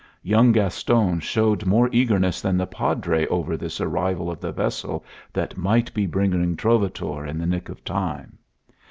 Young Gaston showed more eagerness than the Padre over this arrival of the vessel that might be bringing Trovatore in the nick of time.